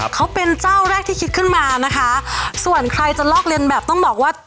เขาเป็นเจ้าแรกที่คิดขึ้นมานะคะส่วนใครจะลอกเรียนแบบต้องบอกว่า